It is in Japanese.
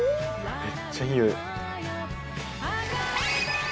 めっちゃいいにおい。